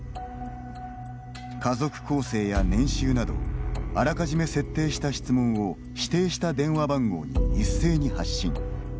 家族構成や年収などあらかじめ設定した質問を指定した電話番号に一斉に発信。